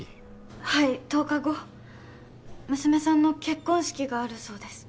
はい１０日後娘さんの結婚式があるそうです